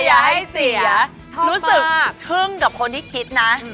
รู้สึกทึ่งกับคนที่คิดนะ